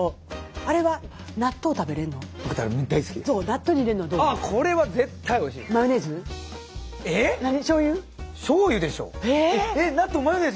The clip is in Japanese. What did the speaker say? ああこれは絶対おいしいです。